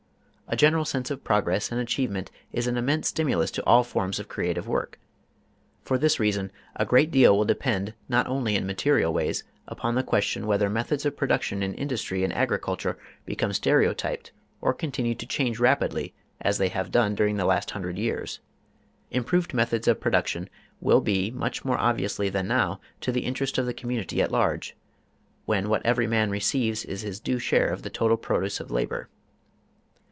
A general sense of progress and achievement is an immense stimulus to all forms of creative work. For this reason, a great deal will depend, not only in material ways, upon the question whether methods of production in industry and agriculture become stereotyped or continue to change rapidly as they have done during the last hundred years. Improved methods of production will be much more obviously than now to the interest of the community at large, when what every man receives is his due share of the total produce of labor.